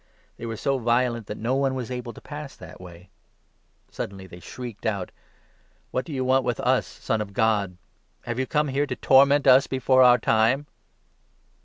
They were so violent that no one was able to pass that way. Suddenly 29 they shrieked out :" What do you want with us, Son of God ? Have you come here to torment us before our time